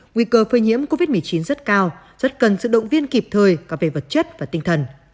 nguy cơ phơi nhiễm covid một mươi chín rất cao rất cần sự động viên kịp thời cả về vật chất và tinh thần